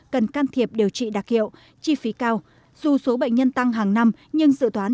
cần can thiệp điều trị đặc hiệu chi phí cao dù số bệnh nhân tăng hàng năm nhưng dự toán